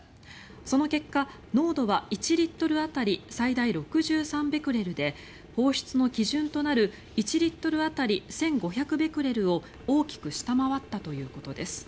その結果、濃度は１リットル当たり最大６３ベクレルで放出の基準となる１リットル当たり１５００ベクレルを大きく下回ったということです。